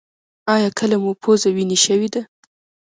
ایا کله مو پوزه وینې شوې ده؟